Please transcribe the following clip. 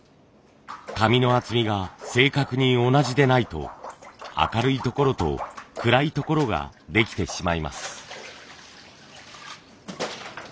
紙の厚みが正確に同じでないと明るい所と暗い所ができてしまいます。